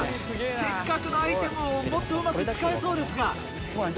せっかくのアイテムをもっとうまく使えそうですが。